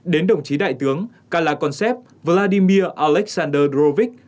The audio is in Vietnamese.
đến đồng chí đại tướng kalakonsep vladimir aleksandrovich